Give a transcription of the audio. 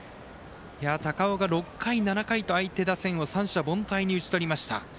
高尾が６回、７回と相手打線を三者凡退に打ち取りました。